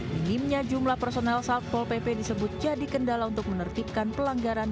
minimnya jumlah personel satpol pp disebut jadi kendala untuk menertibkan pelanggaran